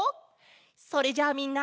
それじゃあみんな。